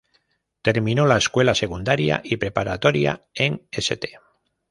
Terminó la escuela secundaria y preparatoria en St.